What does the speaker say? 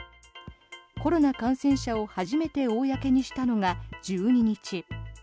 コロナ感染者を初めて公にしたのが１２日。